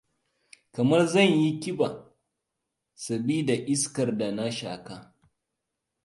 Kamar zan yi ƙiba sabida iskar da na shaƙa.